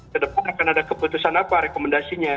kedepan akan ada keputusan apa rekomendasinya